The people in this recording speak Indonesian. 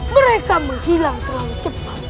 mereka menghilang terlalu cepat